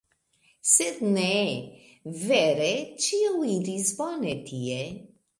Sed ne. Vere, ĉio iris bone tie.